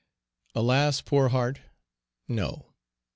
Alas, poor heart, no!